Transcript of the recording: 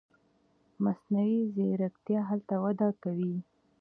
مصنوعي ځیرکتیا هلته وده کوي.